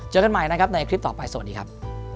เจอกันใหม่นะครับในคลิปต่อไปสวัสดีครับ